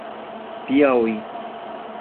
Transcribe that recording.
Piauí